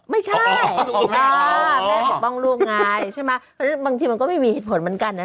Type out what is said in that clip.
ไม่ใช่ของเราแม่ปกป้องลูกไงใช่ไหมบางทีมันก็ไม่มีเหตุผลเหมือนกันนะ